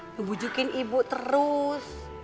membujukin ibu terus